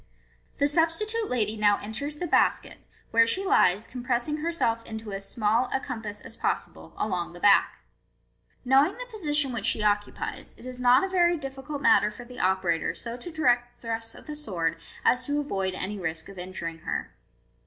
The MODERN MAGIC. 479 substitute lady now enters the basket, where she lies, compressing herself into as small a compass as possible, along the back Know ing the position which she occupies, it is not a ver) difficult matter for the operator so to direct the thrusts of the sword as to avoid any risk of injuring her.